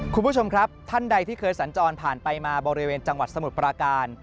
คุณผู้ชมครับท่านใดที่เคยสัญจรผ่านไปมาบริเวณจังหวัดสมุทรปราการ